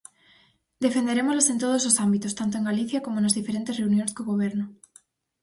Defenderémolas en todos os ámbitos, tanto en Galicia como nas diferentes reunións co Goberno.